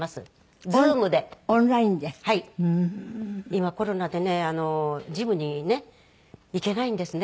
今コロナでねジムにねっ行けないんですね。